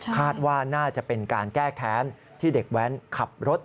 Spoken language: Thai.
คาดว่าน่าจะเป็นการแก้แค้นที่เด็กแว้นขับรถ